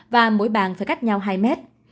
và mỗi bàn phải cách nhau hai mét